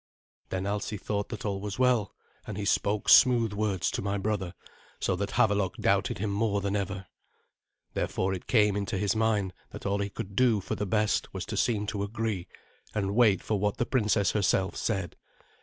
Then Alsi thought that all was well, and he spoke smooth words to my brother, so that Havelok doubted him more than ever. Therefore it came into his mind that all he could do for the best was to seem to agree, and wait for what the princess herself said.